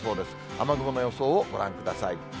雨雲の予想をご覧ください。